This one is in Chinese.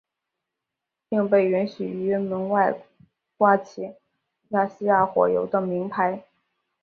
并被允许于门外挂起亚细亚火油的铭牌。